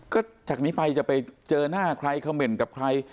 ก็จากนี้ไปจะไปเจอหน้าใครเขม่นกับใคร